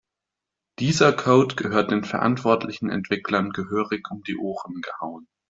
Dieser Code gehört den verantwortlichen Entwicklern gehörig um die Ohren gehauen.